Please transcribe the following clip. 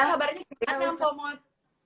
ada yang pemot